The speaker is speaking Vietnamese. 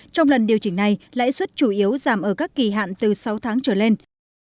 trong lần điều chỉnh này lãi suất chủ yếu giảm ở các kỳ hạn từ sáu tháng trở lên